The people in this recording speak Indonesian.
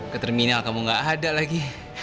ke terminal kamu gak ada lagi